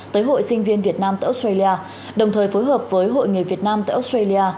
tới hội sinh viên việt nam tại australia đồng thời phối hợp với hội người việt nam tại australia